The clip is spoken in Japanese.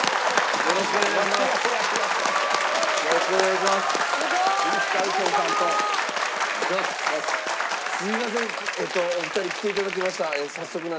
よろしくお願いします。